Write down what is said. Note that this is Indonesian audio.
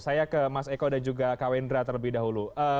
saya ke mas eko dan juga kawendra terlebih dahulu